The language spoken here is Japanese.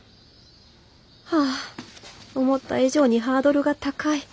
はぁ思った以上にハードルが高い。